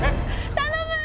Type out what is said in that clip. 頼む！